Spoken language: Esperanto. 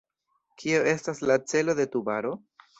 Kio estas la celo de Tubaro?